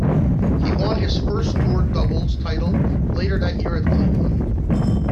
He won his first tour doubles title later that year at Cleveland.